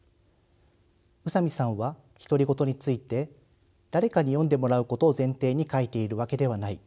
宇佐美さんは独り言について「誰かに読んでもらうことを前提に書いているわけではない。